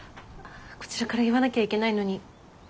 こちらから言わなきゃいけないのに。